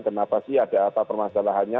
kenapa sih ada apa permasalahannya